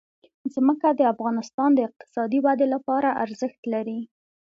ځمکه د افغانستان د اقتصادي ودې لپاره ارزښت لري.